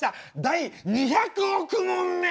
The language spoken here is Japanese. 第２００億問目！